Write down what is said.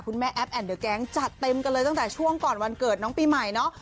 แม่แอปแอนเดอร์แก๊งจัดเต็มกันเลยตั้งแต่ช่วงก่อนวันเกิดน้องปีใหม่เนาะ